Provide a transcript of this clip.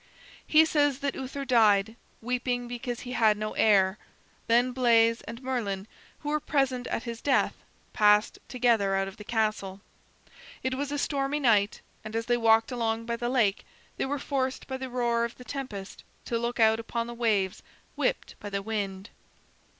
"He says that Uther died, weeping because he had no heir. Then Bleys and Merlin, who were present at his death, passed together out of the castle. It was a stormy night, and as they walked along by the lake they were forced by the roar of the tempest to look out upon the waves, whipped by the wind.